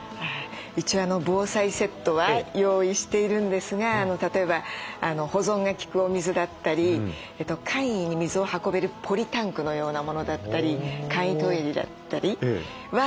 一応防災セットは用意しているんですが例えば保存が利くお水だったり簡易に水を運べるポリタンクのようなものだったり簡易トイレだったりは。